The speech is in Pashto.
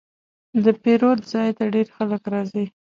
د پیرود ځای ته ډېر خلک راځي.